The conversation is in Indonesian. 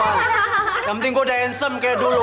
yang penting gue udah ensem kayak dulu